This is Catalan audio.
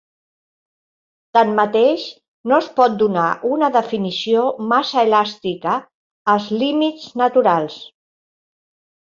Tanmateix, no es pot donar una definició massa elàstica als "límits naturals".